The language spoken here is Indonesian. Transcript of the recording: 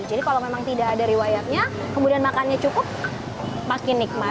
jadi kalau memang tidak ada riwayatnya kemudian makannya cukup makin nikmat